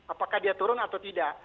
apakah dia turun atau tidak